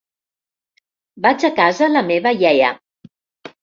Vaig a casa la meva iaia.